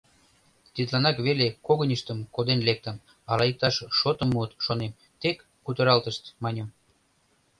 Тидланак теве когыньыштым коден лектым, ала иктаж шотым муыт, шонем, тек кутыралтышт, маньым.